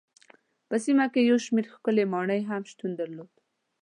په سیمه کې یو شمېر ښکلې ماڼۍ هم شتون درلود.